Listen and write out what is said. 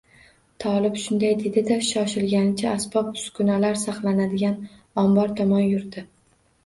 Tolib shunday dedi-da, shoshganicha asbob-uskunalar saqlanadigan ombor tomon yurdi